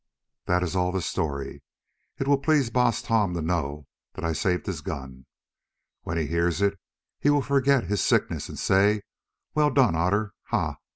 That is all the story. It will please Baas Tom to know that I saved his gun. When he hears it he will forget his sickness and say 'Well done, Otter! Ha!